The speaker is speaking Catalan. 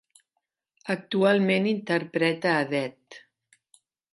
Actualment interpreta a Det.